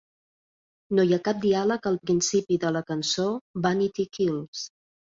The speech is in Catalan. No hi ha cap diàleg al principi de la cançó "Vanity Kills".